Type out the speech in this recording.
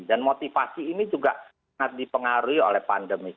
dan motivasi ini juga sangat dipengaruhi oleh pandemi